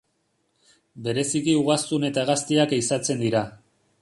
Bereziki ugaztun eta hegaztiak ehizatzen dira.